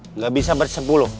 enggak bisa bersepuluh